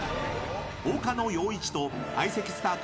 岡野陽一と相席スタート